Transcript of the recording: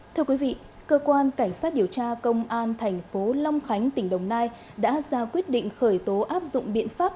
thưa quý vị cơ quan cảnh sát điều tra công an thành phố long khánh tỉnh đồng nai đã ra quyết định khởi tố áp dụng biện pháp